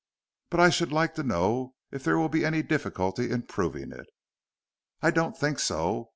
"But I should like to know if there will be any difficulty in proving it?" "I don't think so.